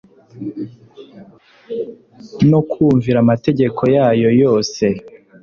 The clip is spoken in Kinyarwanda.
no kumvira amategeko yayo yose.